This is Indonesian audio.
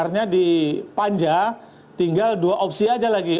artinya di panja tinggal dua opsi aja lagi